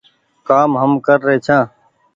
ڪآم هم ڪر رهي ڇآن